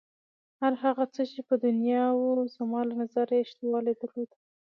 هر هغه څه چې په دنیا کې و زما له نظره یې شتوالی درلود.